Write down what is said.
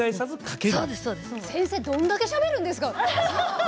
先生どんだけしゃべるんですか？